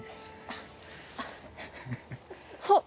あっあっ。